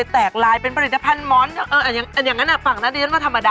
แต่ฝั่งนี้ไม่ธรรมดา